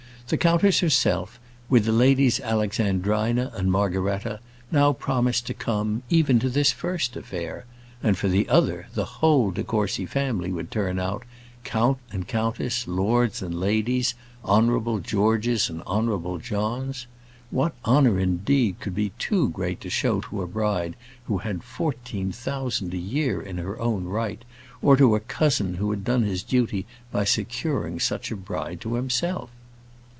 The countess herself, with the Ladies Alexandrina and Margaretta, now promised to come, even to this first affair; and for the other, the whole de Courcy family would turn out, count and countess, lords and ladies, Honourable Georges and Honourable Johns. What honour, indeed, could be too great to show to a bride who had fourteen thousand a year in her own right, or to a cousin who had done his duty by securing such a bride to himself!